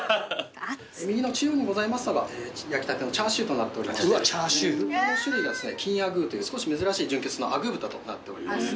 右の中央にございますのが焼きたてのチャーシューとなっておりまして豚の種類がですね金アグーという少し珍しい純血のアグー豚となっております。